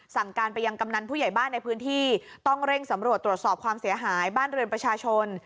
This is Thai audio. สั่งการไปยังกำนันผู้ใหญ่บ้านในพื้นที่ต้องเร่งสำรวจตรวจสอบความเสียหายบ้านเรือนประชาชน